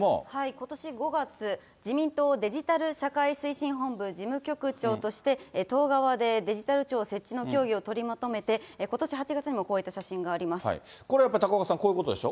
ことし５月、自民党デジタル社会推進本部事務局長として、党側でデジタル庁設置の協議を取りまとめて、ことし８月にも、これ、やっぱり高岡さん、こういうことでしょ？